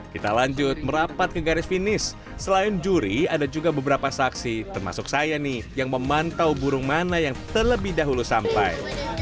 kita lanjut merapat ke garis finish selain juri ada juga beberapa saksi termasuk saya nih yang memantau burung mana yang terlebih dahulu sampai